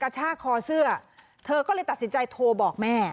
เธอก็เลยตัดสินใจโทรบอกแม่